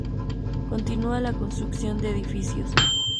Continúa la construcción de edificios.